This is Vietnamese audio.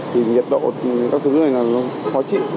thì nhiệt độ các thứ này nó khó chịu